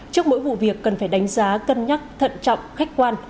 trước mỗi vụ việc cần phải đánh giá cân nhắc thận trọng khách quan